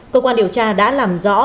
cơ quan điều tra đã làm rõ